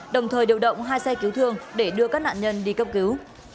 đồng thời điều động hai xe cứu thương để đưa các nạn nhân đi cấp cứu